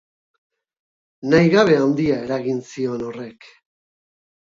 Nahigabe handia eragin zion horrek.